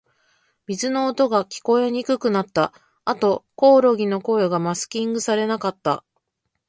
水の音が、聞こえにくくなった。あと、コオロギの声がマスキングされなかった。